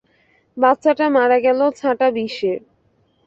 বাচ্চাটা মারা গেল ছাঁটা বিশে।